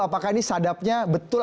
apakah ini sadapnya betul